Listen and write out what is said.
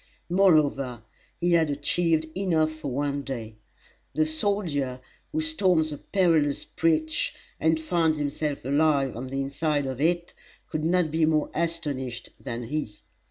Moreover, he had achieved enough for one day. The soldier who storms a perilous breach and finds himself alive on the inside of it could not be more astonished than he.